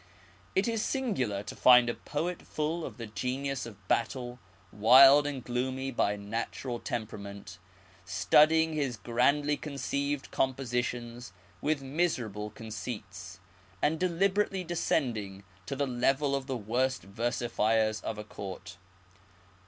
It is singular to find a poet full of the genius of battle, wild and gloomy by natural temperament, studding his grandly con ceived compositions with miserable conceits, and deliberately descending to the level of the worst versifiers of a Court.